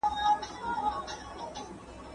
په نړۍ کي د فساد مخه ونیسئ.